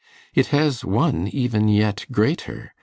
It has one even yet greater!